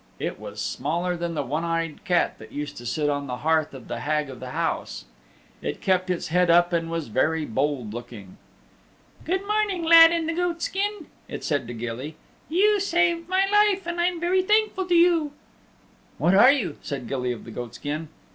It was smaller than the one eyed cat that used to sit on the hearth of the Hag of the House. It kept its head up and was very bold looking. "Good morning, Lad in the Goatskin," it said to Gilly, "you saved my life and I'm very thankful to you." "What are you?" said Gilly of the Goat skin.